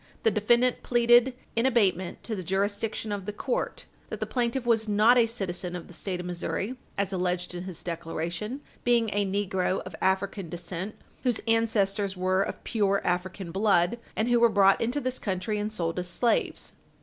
The defendant pleaded in abatement to the jurisdiction of the court, that the plaintiff was not a citizen of the State of Missouri, as alleged in his declaration, being a negro of African descent, whose ancestors were of pure African blood and who were brought into this country and sold as slaves.